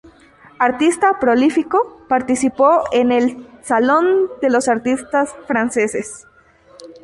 Artista prolífico, participó en el "Salón de los Artistas Franceses".